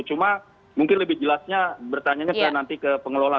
cuma mungkin lebih jelasnya bertanya nanti ke pengelola